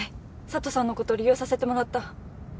佐都さんのこと利用させてもらった。